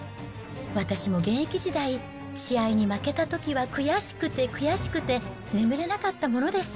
私も現役時代、試合に負けたときは悔しくて悔しくて眠れなかったものです。